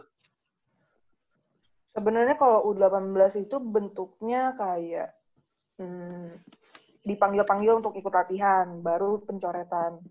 sebenarnya kalau u delapan belas itu bentuknya kayak dipanggil panggil untuk ikut latihan baru pencoretan